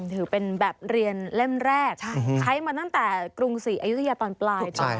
ถือเป็นแบบเรียนเล่มแรกใช้มาตั้งแต่กรุงศรีอายุทยาตอนปลายตอน